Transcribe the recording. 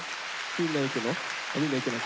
みんな行くのか。